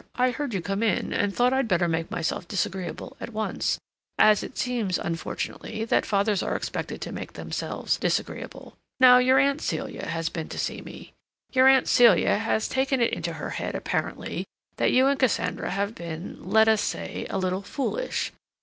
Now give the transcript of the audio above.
I heard you come in, and thought I'd better make myself disagreeable at once—as it seems, unfortunately, that fathers are expected to make themselves disagreeable. Now, your Aunt Celia has been to see me; your Aunt Celia has taken it into her head apparently that you and Cassandra have been—let us say a little foolish.